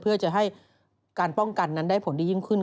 เพื่อจะให้การป้องกันนั้นได้ผลดียิ่งขึ้น